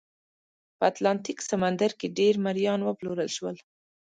په اتلانتیک سمندر کې ډېر مریان وپلورل شول.